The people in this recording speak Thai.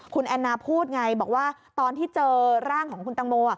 คุณแอนนาพูดไงบอกว่าตอนที่เจอร่างของคุณตังโม